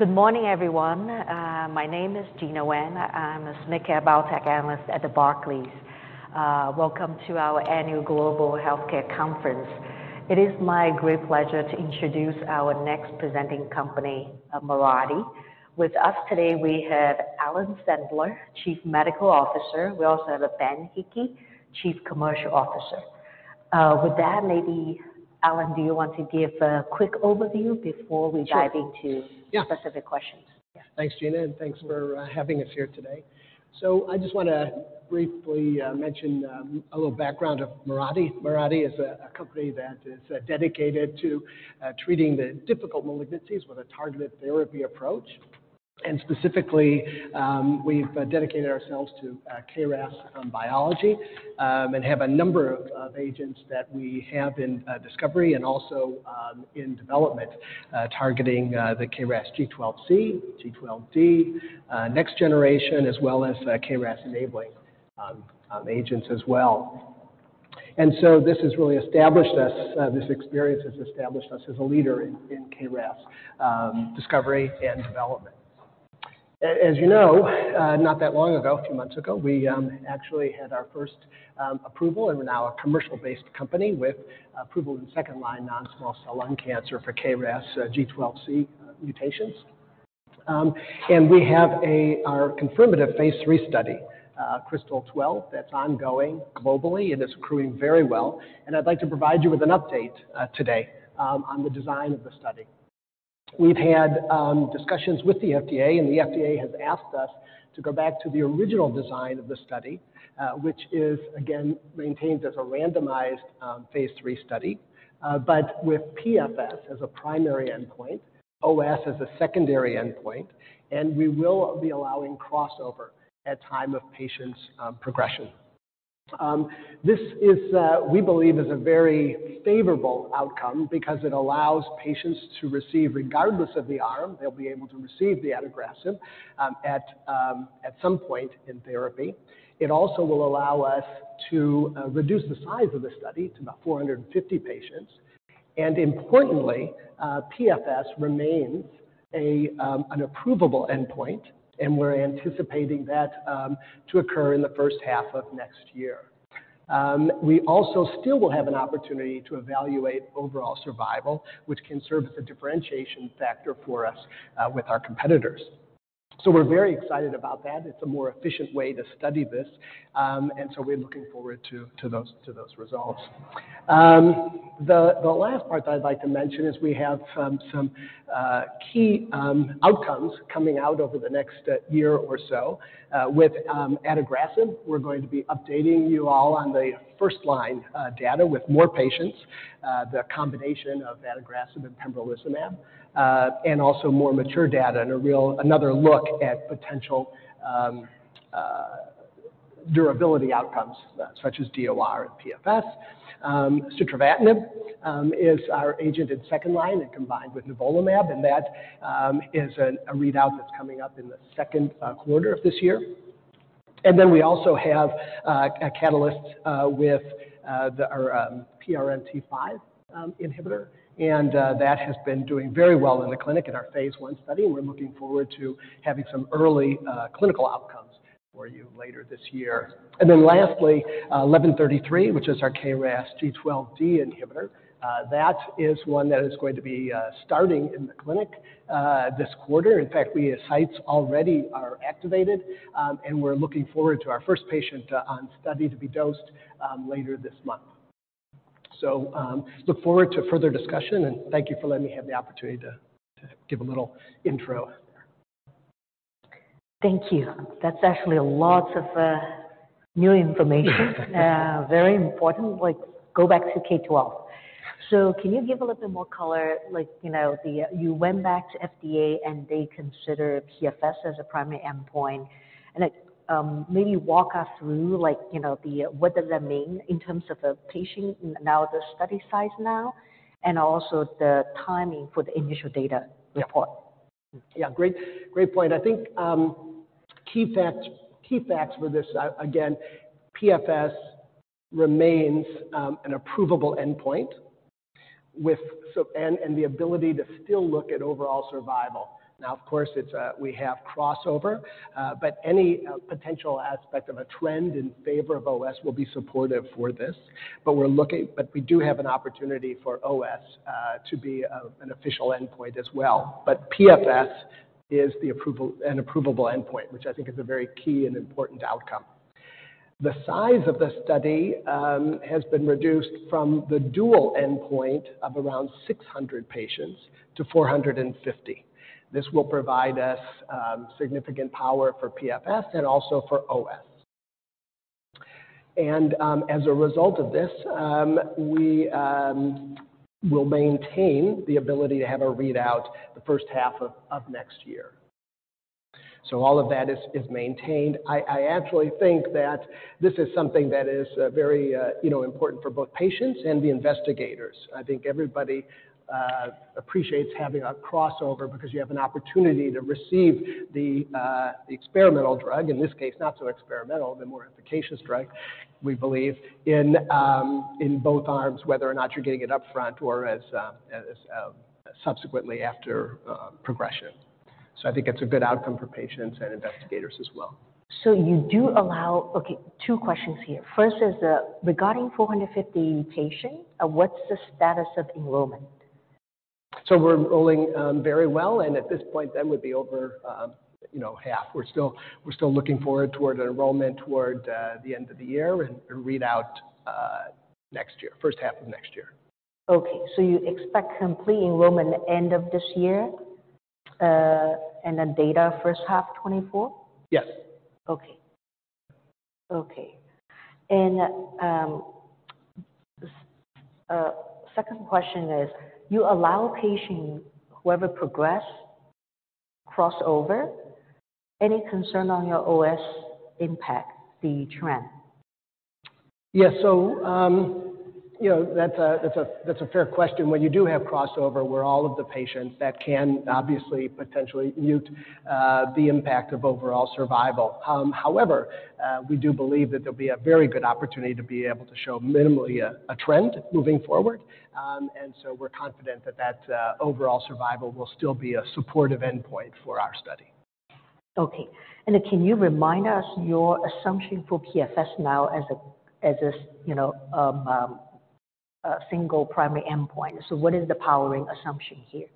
Good morning, everyone. My name is Gena Wang. I'm a SMID cap biotech analyst at the Barclays. Welcome to our annual Global Healthcare Conference. It is my great pleasure to introduce our next presenting company, Mirati. With us today we have Alan Sandler, Chief Medical Officer. We also have Ben Hickey, Chief Commercial Officer. With that, maybe, Alan, do you want to give a quick overview before we dive- Sure. -into- Yeah. -specific questions? Thanks, Gena, thanks for having us here today. I just wanna briefly mention a little background of Mirati. Mirati is a company that is dedicated to treating the difficult malignancies with a targeted therapy approach. Specifically, we've dedicated ourselves to KRAS biology and have a number of agents that we have in discovery and also in development targeting the KRAS G12C, G12D, next generation, as well as KRAS enabling agents as well. This has really established us, this experience has established us as a leader in KRAS discovery and development. As you know, not that long ago, a few months ago, we actually had our first approval and we're now a commercial-based company with approval in second-line non-small cell lung cancer for KRAS G12C mutations. We have our confirmatory phase III study, KRYSTAL-12, that's ongoing globally and is accruing very well, and I'd like to provide you with an update today on the design of the study. We've had discussions with the FDA, and the FDA has asked us to go back to the original design of the study, which is again maintained as a randomized phase III study, but with PFS as a primary endpoint, OS as a secondary endpoint, and we will be allowing crossover at time of patients' progression. This is, we believe is a very favorable outcome because it allows patients to receive regardless of the arm. They'll be able to receive the adagrasib, at some point in therapy. It also will allow us to reduce the size of the study to about 450 patients. Importantly, PFS remains an approvable endpoint, and we're anticipating that to occur in the first half of next year. We also still will have an opportunity to evaluate overall survival, which can serve as a differentiation factor for us with our competitors. We're very excited about that. It's a more efficient way to study this. We're looking forward to those results. The last part that I'd like to mention is we have some key outcomes coming out over the next year or so. With adagrasib, we're going to be updating you all on the first-line data with more patients, the combination of adagrasib and pembrolizumab, and also more mature data and another look at potential durability outcomes such as DOR and PFS. Sitravatinib is our agent in second line and combined with nivolumab, and that is a readout that's coming up in the second quarter of this year. We also have a catalyst with our PRMT5 inhibitor, and that has been doing very well in the clinic in our phase 1 study, and we're looking forward to having some early clinical outcomes for you later this year. Lastly, 1133, which is our KRAS G12D inhibitor. That is one that is going to be starting in the clinic this quarter. In fact, sites already are activated, and we're looking forward to our first patient on study to be dosed later this month. Look forward to further discussion, and thank you for letting me have the opportunity to give a little intro. Thank you. That's actually a lot of new information. Very important. Like, go back to KRAS G12D. Can you give a little bit more color? Like, you know, the, you went back to FDA, and they consider PFS as a primary endpoint. Like, maybe walk us through, like, you know, the, what does that mean in terms of the patient now, the study size now, and also the timing for the initial data report? Yeah. Great point. I think, key facts for this, again, PFS remains an approvable endpoint and the ability to still look at overall survival. Now, of course, it's, we have crossover, any potential aspect of a trend in favor of OS will be supportive for this. We do have an opportunity for OS to be an official endpoint as well. PFS is an approvable endpoint, which I think is a very key and important outcome. The size of the study has been reduced from the dual endpoint of around 600 patients to 450. This will provide us significant power for PFS and also for OS. As a result of this, we will maintain the ability to have a readout the first half of next year. All of that is maintained. I actually think that this is something that is very, you know, important for both patients and the investigators. I think everybody appreciates having a crossover because you have an opportunity to receive the experimental drug, in this case, not so experimental, the more efficacious drug, we believe, in both arms, whether or not you're getting it upfront or as subsequently after progression. I think it's a good outcome for patients and investigators as well. You do allow. Okay, two questions here. First is, regarding 450 patients, what's the status of enrollment? We're enrolling very well, at this point, we'd be over, you know, half. We're still looking forward toward an enrollment toward the end of the year and a readout next year, first half of next year. Okay. You expect complete enrollment end of this year, data H1 2024? Yes. Okay. Okay. Second question is, you allow patient whoever progress cross over, any concern on your OS impact the trend? Yes. you know, that's a fair question. When you do have crossover where all of the patients, that can obviously potentially mute the impact of overall survival. However, we do believe that there'll be a very good opportunity to be able to show minimally a trend moving forward. We're confident that overall survival will still be a supportive endpoint for our study. Okay. Can you remind us your assumption for PFS now as a, as a you know, single primary endpoint? What is the powering assumption here?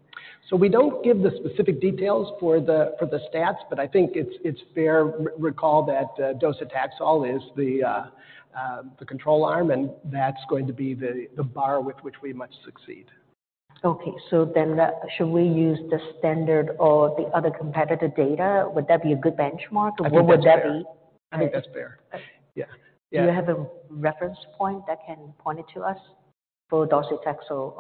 We don't give the specific details for the stats, I think it's fair recall that docetaxel is the control arm, that's going to be the bar with which we must succeed. Okay. Should we use the standard or the other competitor data? Would that be a good benchmark? I think that's fair. I think that's fair. Yeah. Yeah. Do you have a reference point that can point it to us for docetaxel?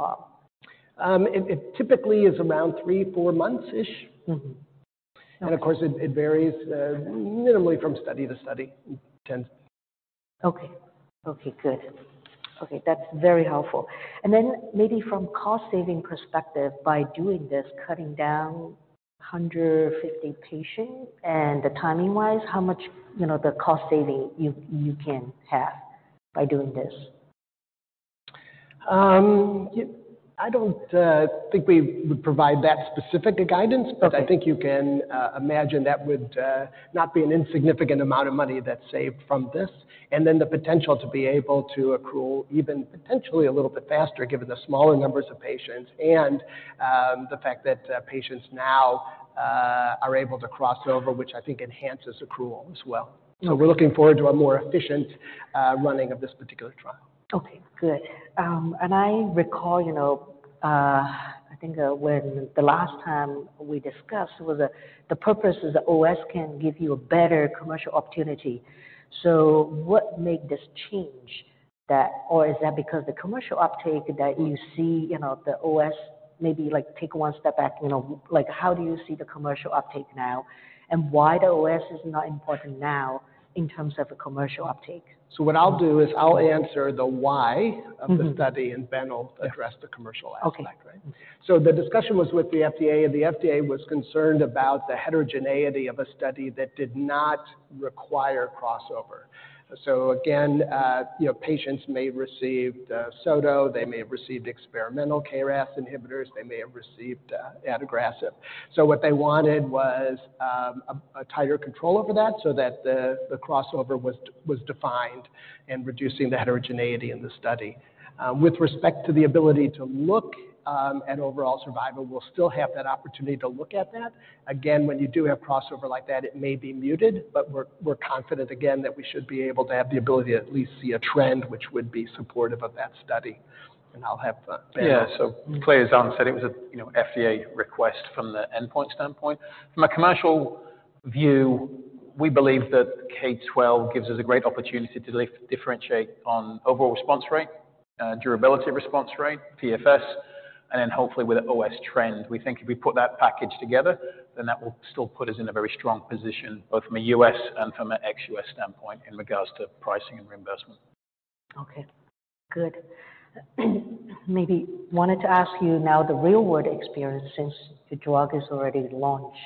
It typically is around three, four months-ish. Mm-hmm. Of course, it varies minimally from study to study, it tends to. Okay. Okay, good. Okay, that's very helpful. Maybe from cost-saving perspective, by doing this, cutting down 150 patients and the timing-wise, how much, you know, the cost saving you can have by doing this? I don't think we would provide that specific a guidance. Okay. I think you can imagine that would not be an insignificant amount of money that's saved from this. Then the potential to be able to accrue even potentially a little bit faster, given the smaller numbers of patients and the fact that patients now are able to cross over, which I think enhances accrual as well. We're looking forward to a more efficient running of this particular trial. Okay, good. I recall, you know, I think, when the last time we discussed was that the purpose is OS can give you a better commercial opportunity. What made this change? That... Is that because the commercial uptake that you see, you know, the OS maybe like take one step back, you know? How do you see the commercial uptake now, and why the OS is not important now in terms of the commercial uptake? What I'll do is I'll answer. Mm-hmm. Of the study, and Ben will address the commercial aspect, right? Okay. The discussion was with the FDA, and the FDA was concerned about the heterogeneity of a study that did not require crossover. Again, you know, patients may have received, sotorasib, they may have received experimental KRAS inhibitors, they may have received, adagrasib. What they wanted was, a tighter control over that so that the crossover was defined in reducing the heterogeneity in the study. With respect to the ability to look, at overall survival, we'll still have that opportunity to look at that. Again, when you do have crossover like that, it may be muted, but we're confident again that we should be able to have the ability to at least see a trend which would be supportive of that study. I'll have, Ben... Yeah. To play as Alan said, it was a, you know, FDA request from the endpoint standpoint. From a commercial view, we believe that KRAS G12 gives us a great opportunity to differentiate on overall response rate, durability response rate, PFS, and then hopefully with the OS trend. We think if we put that package together, then that will still put us in a very strong position, both from a U.S. and from an ex-U.S. standpoint in regards to pricing and reimbursement. Okay, good. Maybe wanted to ask you now the real world experience since the drug is already launched.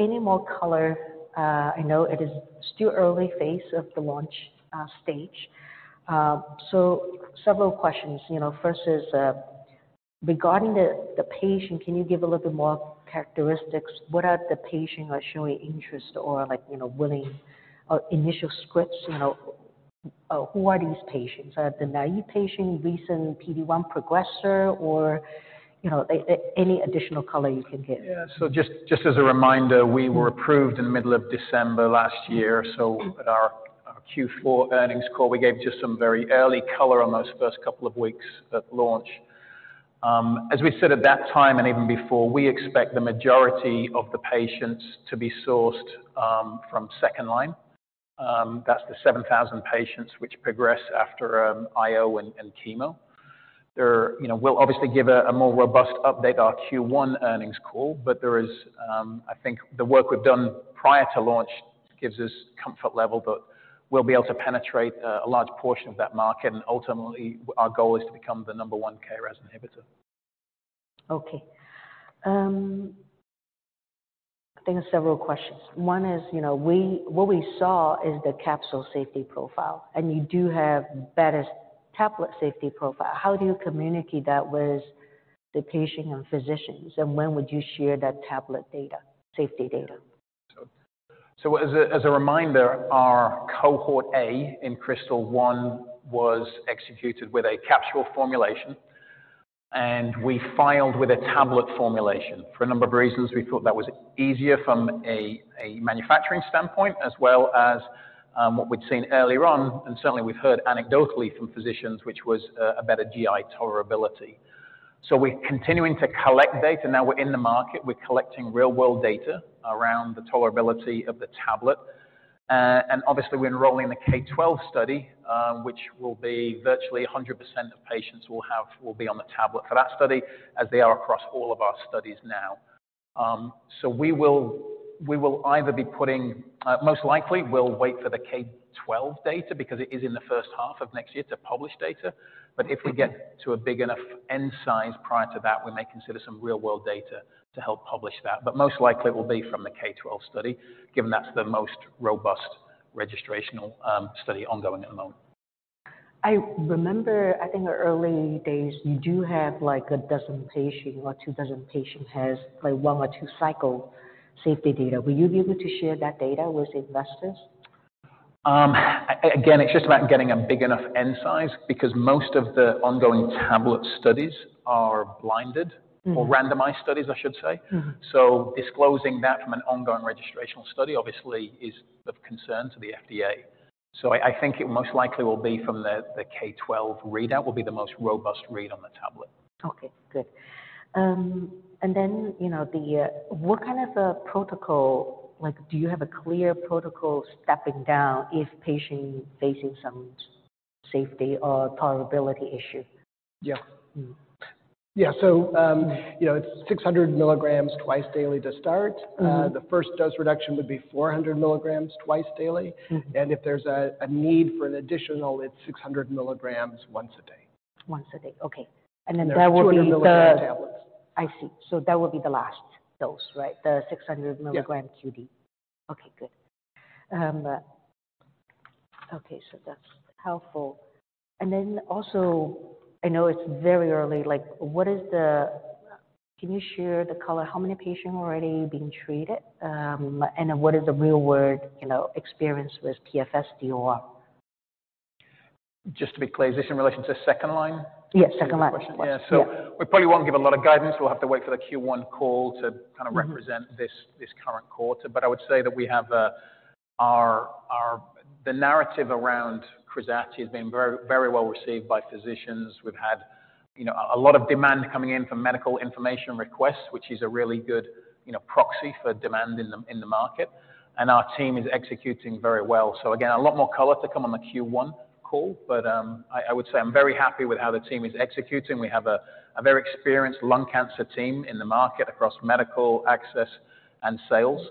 Any more color, I know it is still early phase of the launch stage. Several questions. You know, first is regarding the patient, can you give a little bit more characteristics? What are the patient are showing interest or like, you know, willing, initial scripts? You know, who are these patients? Are they naive patient, recent PD-1 progressor, or, you know, any additional color you can give? Yeah. Just as a reminder, we were approved in the middle of December last year. At our Q4 earnings call, we gave just some very early color on those first couple of weeks at launch. As we said at that time and even before, we expect the majority of the patients to be sourced from second line. That's the 7,000 patients which progress after IO and chemo. There. You know, we'll obviously give a more robust update at our Q1 earnings call, but there is, I think the work we've done prior to launch gives us comfort level that we'll be able to penetrate a large portion of that market and ultimately our goal is to become the number one KRAS inhibitor. I think there are several questions. One is, you know, what we saw is the capsule safety profile, and you do have better tablet safety profile. How do you communicate that with the patient and physicians, and when would you share that tablet data, safety data? As a reminder, our cohort A in KRYSTAL-1 was executed with a capsule formulation, and we filed with a tablet formulation. For a number of reasons, we thought that was easier from a manufacturing standpoint, as well as what we'd seen earlier on, and certainly we've heard anecdotally from physicians, which was a better GI tolerability. We're continuing to collect data. Now we're in the market, we're collecting real-world data around the tolerability of the tablet. Obviously, we're enrolling the KRYSTAL-12 study, which will be virtually 100% of patients will be on the tablet for that study, as they are across all of our studies now. We will either be putting... Most likely, we'll wait for the KRYSTAL-12 data because it is in the first half of next year to publish data. If we get to a big enough N size prior to that, we may consider some real-world data to help publish that. Most likely, it will be from the KRYSTAL-12 study, given that's the most robust registrational study ongoing at the moment. I remember, I think, the early days, you do have, like, a dozen patients or two dozen patients has, like, one or two cycle safety data. Will you be able to share that data with investors? Again, it's just about getting a big enough N size because most of the ongoing tablet studies are blinded or randomized studies, I should say. Mm-hmm. Disclosing that from an ongoing registrational study obviously is of concern to the FDA. I think it most likely will be from the KRAS G12 readout, will be the most robust read on the tablet. Okay, good. you know, Like, do you have a clear protocol stepping down if patient facing some safety or tolerability issue? Yeah. Yeah, you know, it's 600 milligrams twice daily to start. Mm-hmm. The first dose reduction would be 400 milligrams twice daily. Mm. If there's a need for an additional, it's 600 milligrams once a day. Once a day. Okay. Then that will be They're 200 milligram tablets. I see. That will be the last dose, right? The 600 mg QD. Yeah. Good. That's helpful. I know it's very early, like, Can you share the color, how many patients already being treated, and what is the real-world, you know, experience with PFS, DOR? Just to be clear, is this in relation to second line? Yes, second line. Is the question. Yes. Yeah. Yeah. We probably won't give a lot of guidance. We'll have to wait for the Q1 call to kind of represent this current quarter. I would say that the narrative around KRAZATI has been very well received by physicians. We've had, you know, a lot of demand coming in for medical information requests, which is a really good, you know, proxy for demand in the market. Our team is executing very well. Again, a lot more color to come on the Q1 call. I would say I'm very happy with how the team is executing. We have a very experienced lung cancer team in the market across medical access and sales.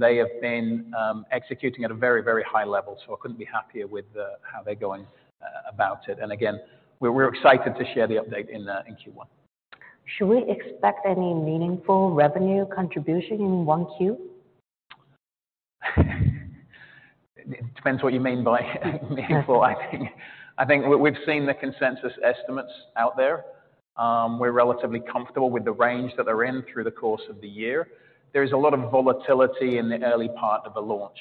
They have been executing at a very, very high level, so I couldn't be happier with how they're going about it. We're excited to share the update in Q1. Should we expect any meaningful revenue contribution in 1Q? It depends what you mean by meaningful, I think. Okay. I think we've seen the consensus estimates out there. We're relatively comfortable with the range that they're in through the course of the year. There is a lot of volatility in the early part of a launch,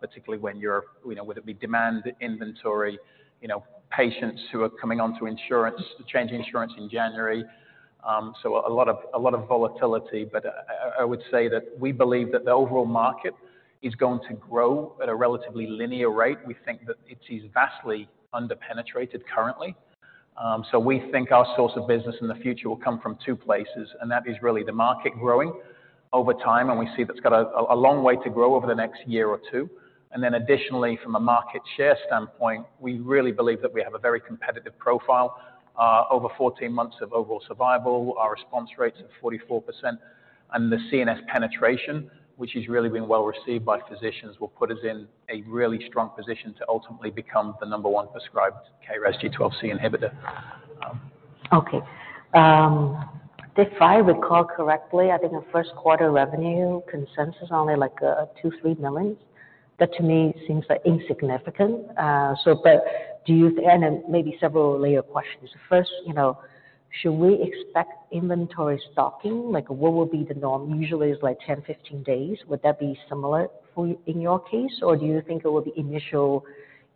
particularly when you know, whether it be demand, inventory, you know, patients who are coming onto insurance, changing insurance in January. A lot of volatility, but I would say that we believe that the overall market is going to grow at a relatively linear rate. We think that it is vastly underpenetrated currently. We think our source of business in the future will come from two places, and that is really the market growing over time, and we see that's got a long way to grow over the next one or two years. Additionally, from a market share standpoint, we really believe that we have a very competitive profile. Over 14 months of overall survival, our response rates of 44% and the CNS penetration, which has really been well received by physicians, will put us in a really strong position to ultimately become the number one prescribed KRAS G12C inhibitor. Okay. If I recall correctly, I think the first quarter revenue consensus only like $2 million-$3 million. That to me seems like insignificant. Maybe several layer questions. First, you know, should we expect inventory stocking? Like, what will be the norm? Usually, it's like 10-15 days. Would that be similar in your case? Do you think it will be initial,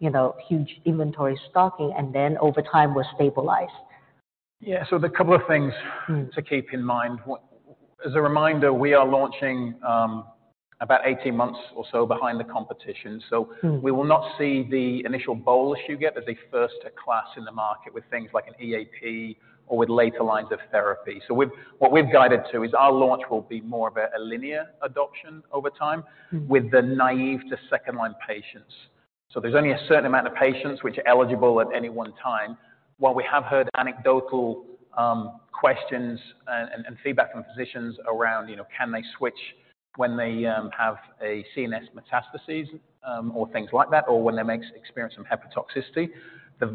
you know, huge inventory stocking and then over time will stabilize? Yeah. There are a couple of things to keep in mind. As a reminder, we are launching, about 18 months or so behind the competition. Mm. We will not see the initial bullish you get as a first class in the market with things like an EAP or with later lines of therapy. What we've guided to is our launch will be more of a linear adoption over time with the naive to second-line patients. There's only a certain amount of patients which are eligible at any one time. While we have heard anecdotal questions and feedback from physicians around, you know, can they switch when they have a CNS metastases or things like that, or when they're experiencing some hepatotoxicity.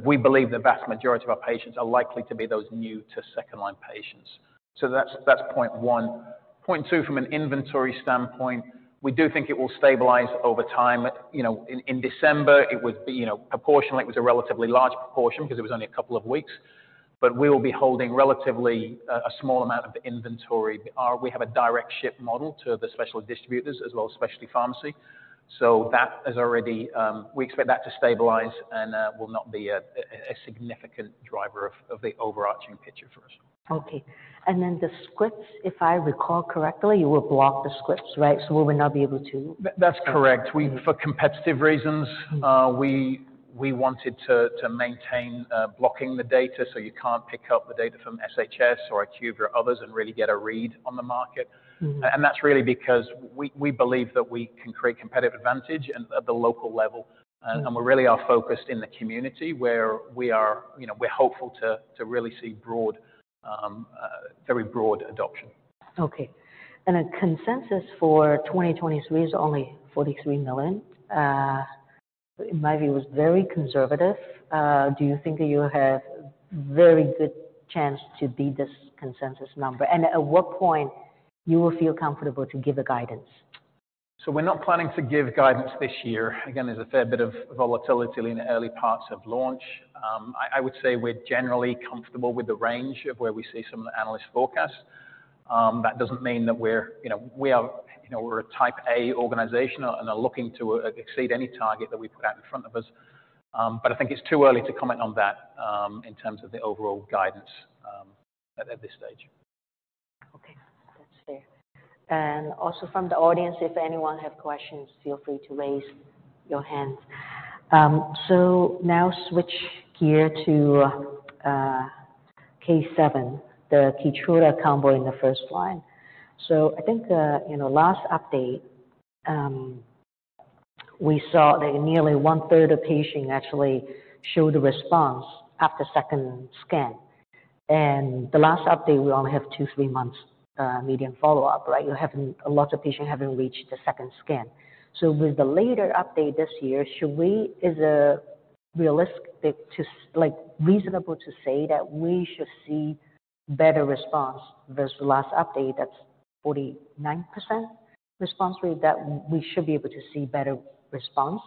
We believe the vast majority of our patients are likely to be those new to second-line patients. That's, that's point one. Point two, from an inventory standpoint, we do think it will stabilize over time. You know, in December, it would be, you know, proportionally it was a relatively large proportion because it was only a couple of weeks. We will be holding relatively a small amount of inventory. We have a direct ship model to the special distributors as well as specialty pharmacy. That is already, we expect that to stabilize and will not be a significant driver of the overarching picture for us. Okay. The scripts, if I recall correctly, you will block the scripts, right? We will not be able to. That's correct. We wanted to maintain blocking the data so you can't pick up the data from SHS or IQVIA or others and really get a read on the market. Mm-hmm. That's really because we believe that we can create competitive advantage at the local level. We really are focused in the community where we are, you know, we're hopeful to really see broad, very broad adoption. Okay. A consensus for 2023 is only $43 million, in my view, was very conservative. Do you think that you have very good chance to beat this consensus number? At what point you will feel comfortable to give a guidance? We're not planning to give guidance this year. Again, there's a fair bit of volatility in the early parts of launch. I would say we're generally comfortable with the range of where we see some of the analyst forecasts. That doesn't mean that we're, you know, we are, you know, we're a type A organization and are looking to exceed any target that we put out in front of us. I think it's too early to comment on that, in terms of the overall guidance, at this stage. Okay. That's fair. Also from the audience, if anyone have questions, feel free to raise your hands. Now switch gear to KRYSTAL-7, the Keytruda combo in the first line. I think, you know, last update, we saw that nearly one-third of patients actually showed a response after second scan. The last update, we only have two, three months median follow-up, right? A lot of patients haven't reached the second scan. With the later update this year, is it realistic to like, reasonable to say that we should see better response versus the last update that's 49% response rate, that we should be able to see better response?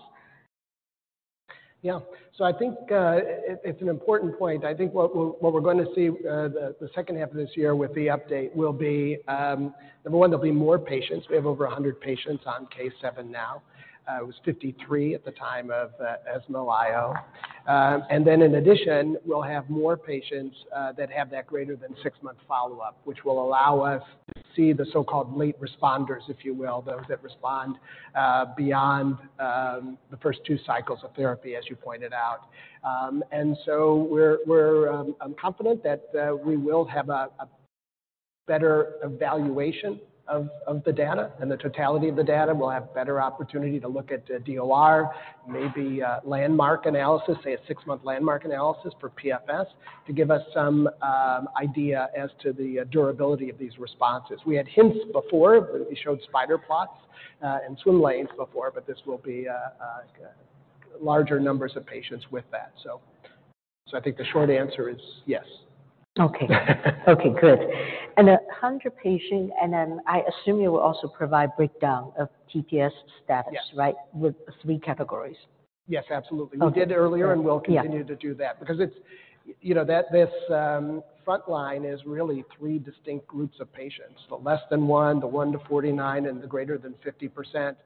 I think it's an important point. I think what we're going to see the second half of this year with the update will be, number one, there'll be more patients. We have over 100 patients on KRYSTAL-7 now. It was 53 at the time of ESMO IO. In addition, we'll have more patients that have that greater than six-month follow-up, which will allow us to see the so-called late responders, if you will. Those that respond beyond the first two cycles of therapy, as you pointed out. I'm confident that we will have a better evaluation of the data and the totality of the data. We'll have better opportunity to look at, DOR, maybe, landmark analysis, say a six-month landmark analysis for PFS to give us some idea as to the durability of these responses. We had hints before. We showed spider plots, and swim lanes before, but this will be larger numbers of patients with that, so. I think the short answer is yes. Okay. Okay, good. 100 patient, I assume you will also provide breakdown of TPS status- Yes. Right? With three categories. Yes, absolutely. Okay. We did earlier, and we'll- Yeah. continue to do that because it's. You know, that this front line is really three distinct groups of patients. The less than one, the one-49, and the greater than 50%.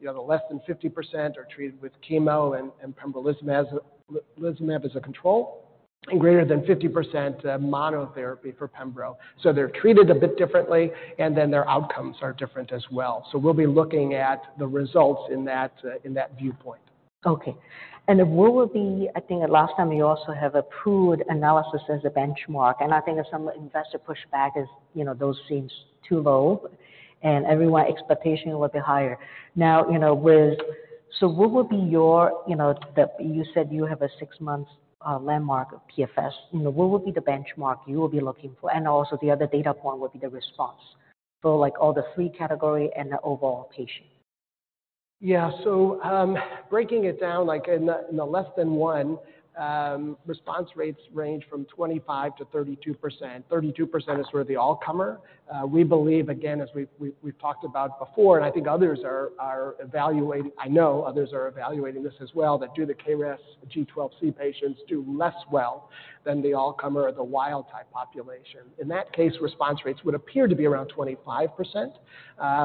You know, the less than 50% are treated with chemo and pembrolizumab as a control, and greater than 50% monotherapy for pembro. They're treated a bit differently, and then their outcomes are different as well. We'll be looking at the results in that in that viewpoint. Okay. What will be I think last time you also have approved analysis as a benchmark, and I think some investor pushback is, you know, those seems too low, and everyone expectation a little bit higher. Now, you know, what would be your, you know, You said you have a six months landmark of PFS. You know, what would be the benchmark you will be looking for? Also the other data point will be the response. Like all the three category and the overall patient. Yeah. Breaking it down, like in the, in the less than one, response rates range from 25%-32%. 32% is where the all-comer. We believe, again, as we've talked about before, and I think others are evaluating. I know others are evaluating this as well, that do the KRAS G12C patients do less well than the all-comer or the wild type population. In that case, response rates would appear to be around 25%,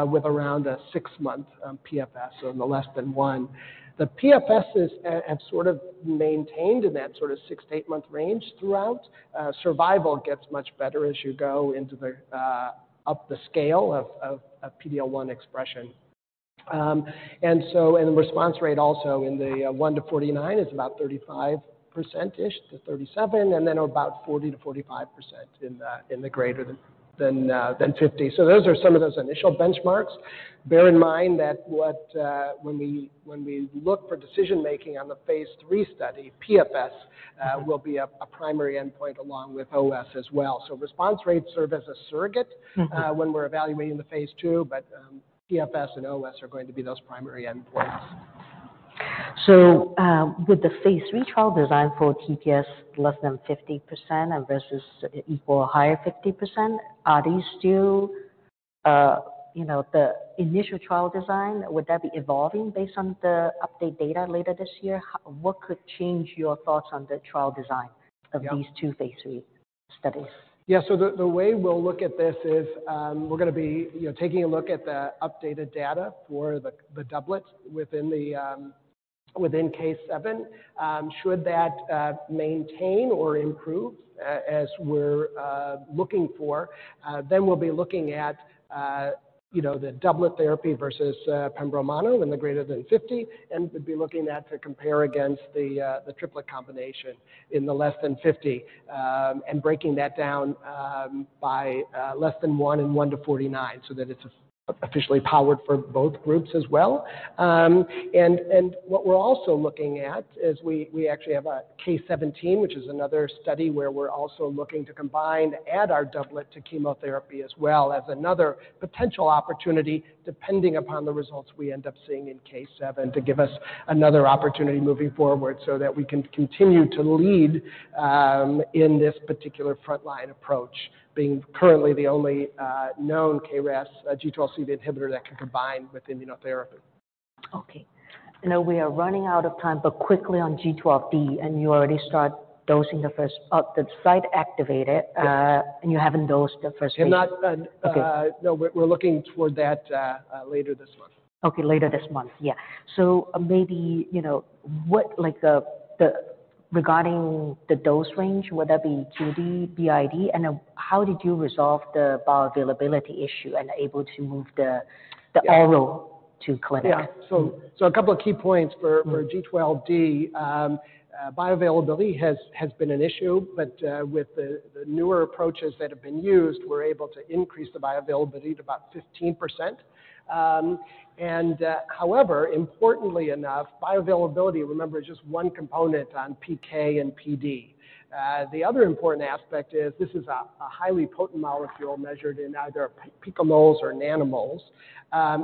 with around a six-month PFS on the less than one. The PFSs have sort of maintained in that sort of six-eight month range throughout. Survival gets much better as you go into the up the scale of PD-L1 expression. The response rate also in the one-49 is about 35%-ish to 37%, and then about 40%-45% in the, in the greater than 50. Those are some of those initial benchmarks. Bear in mind that what, when we, when we look for decision-making on the phase 3 study, PFS, will be a primary endpoint along with OS as well. Response rates serve as a surrogate. Mm-hmm. When we're evaluating the phase II, but, PFS and OS are going to be those primary endpoints. With the phase III trial design for TPS less than 50% and versus equal higher 50%, are these still, you know, the initial trial design? Would that be evolving based on the update data later this year? What could change your thoughts on the trial design of these two phase III studies? Yeah. The way we'll look at this is, we're gonna be, you know, taking a look at the updated data for the doublet within KRYSTAL-7. Should that maintain or improve as we're looking for, we'll be looking at, you know, the doublet therapy versus pembro manu in the greater than 50. We'd be looking at to compare against the triplet combination in the less than 50, and breaking that down by less than one and one-49 so that it's officially powered for both groups as well. What we're also looking at is we actually have a KRYSTAL-17, which is another study where we're also looking to combine, add our doublet to chemotherapy as well as another potential opportunity depending upon the results we end up seeing in KRYSTAL-7 to give us another opportunity moving forward so that we can continue to lead in this particular frontline approach, being currently the only known KRAS G12C inhibitor that can combine with immunotherapy. Okay. I know we are running out of time, but quickly on G12D, and you already start dosing the first, the site activated. Yes. You haven't dosed the first patient. Have not done. Okay. No, we're looking toward that later this month. Okay. Later this month. Yeah. Maybe, you know, what, like the regarding the dose range, would that be QD, BID? How did you resolve the bioavailability issue and able to move the oral to clinic? Yeah. A couple of key points for G12D. Bioavailability has been an issue, but with the newer approaches that have been used, we're able to increase the bioavailability to about 15%. However, importantly enough, bioavailability, remember, is just one component on PK and PD. The other important aspect is this is a highly potent molecule measured in either picomoles or nanomoles.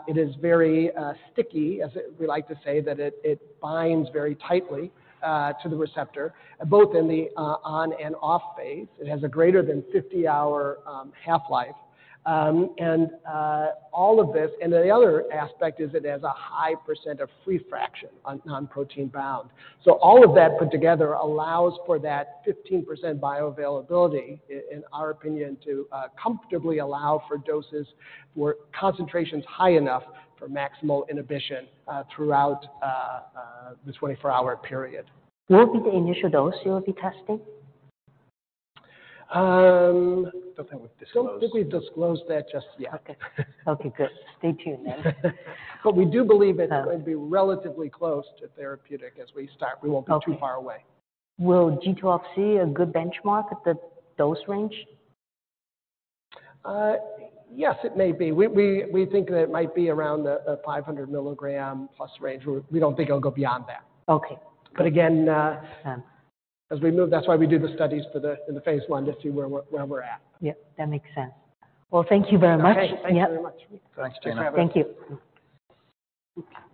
It is very sticky, we like to say that it binds very tightly to the receptor, both in the on and off phase. It has a greater than 50-hour half-life. All of this. The other aspect is it has a high percent of free fraction on non-protein bound. All of that put together allows for that 15% bioavailability in our opinion, to comfortably allow for doses where concentration's high enough for maximal inhibition throughout the 24-hour period. What will be the initial dose you will be testing? Um. Don't think we've disclosed. Don't think we've disclosed that just yet. Okay. Okay, good. Stay tuned then. We do believe it's going to be relatively close to therapeutic as we start. Okay. We won't be too far away. Will G12C a good benchmark at the dose range? Yes, it may be. We think that it might be around the 500 milligram plus range. We don't think it'll go beyond that. Okay. again. Um. As we move, that's why we do the studies in the phase I to see where we're at. Yeah, that makes sense. Well, thank you very much. Okay. Thank you very much. Thanks, Gena. Thank you. Okay. Yeah.